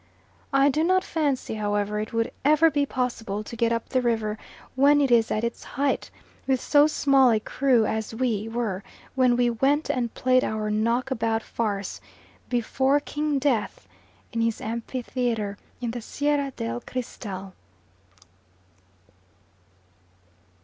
I do not fancy however it would ever be possible to get up the river, when it is at its height, with so small a crew as we were when we went and played our knock about farce, before King Death, in his amphitheatre in the Sierra del Cristal.